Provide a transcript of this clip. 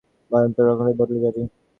তুই ভয়ংকর রকম বদলে জাবি।